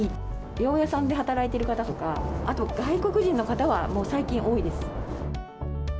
八百屋さんで働いてる方とか、あと、外国人の方はもう最近多いです。